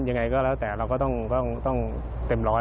ยังไงก็แล้วแต่เราก็ต้องเต็มร้อย